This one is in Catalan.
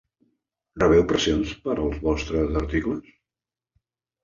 Rebeu pressions pels vostres articles?